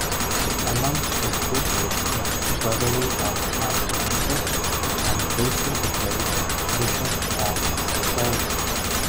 Amongst his pupils were Gregory of Nazianzus and Basil the Great, bishop of Caesarea.